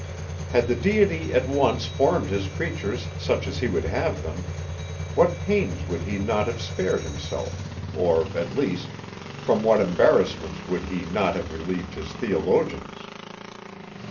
Had the Deity at once formed his creatures such as he would have them, what pains would he not have spared himself, or, at least, from what embarrassments would he not have relieved his theologians!